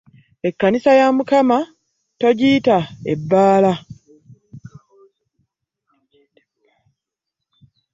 Ekkanisa ya Mukama togiyita ebbala.